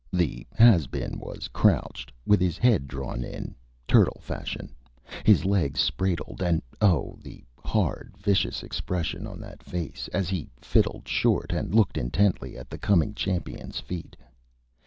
The Has Been was crouched, with his Head drawn in, turtle fashion, his Legs spraddled, and oh, the hard, vicious Expression on that Face, as he Fiddled Short and looked intently at the Coming Champion's Feet.